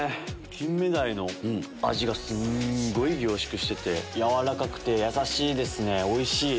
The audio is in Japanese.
金目鯛の味がすんごい凝縮してて軟らかくてやさしいですねおいしい！